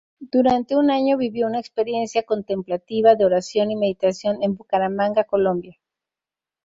Durante un año vivió una experiencia contemplativa de oración y meditación en Bucaramanga, Colombia.